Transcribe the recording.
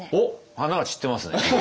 花が散ってますね。